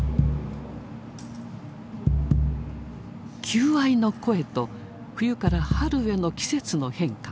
求愛の声と冬から春への季節の変化。